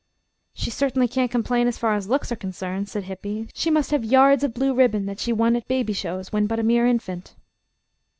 "She certainly can't complain as far as looks are concerned," said Hippy. "She must have yards of blue ribbon that she won at baby shows when but a mere infant."